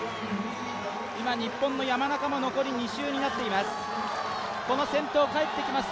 今、日本の山中も残り２周になっています。